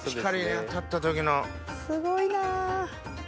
すごいな。